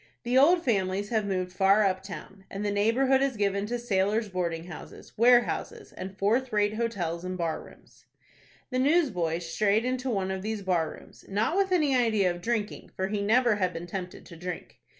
The old families have moved far up town, and the neighborhood is given to sailors' boarding houses, warehouses, and fourth rate hotels and bar rooms. The newsboy strayed into one of these bar rooms, not with any idea of drinking, for he never had been tempted to drink.